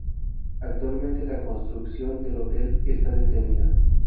Actualmente la construcción del hotel está detenida.